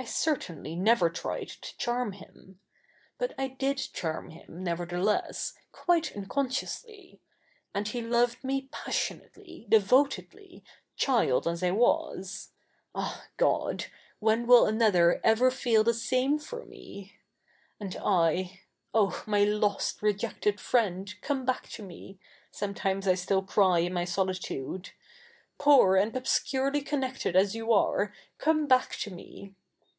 I certainly never tried to charm him. But I did charm hi?n, nevertheless, quite uncon sciously. A?id he loved ??ie passionately, devotedly, child as I zvas. Ah, God ! when zvill another ever feel the same for me 1 And I —' O, ?ny lost, my rejected friend ! come back to me,'' sometimes I still cry in ?ny solitude ;^ poor, and obscurely con?iected as you are, come back to fne